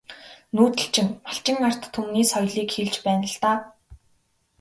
Нүүдэлчин малчин ард түмний соёлыг хэлж байна л даа.